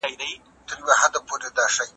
په سخت وخت کي ځان مه بايله.